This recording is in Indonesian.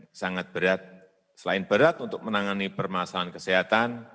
ini adalah hal yang sangat berat selain berat untuk menangani permasalahan kesehatan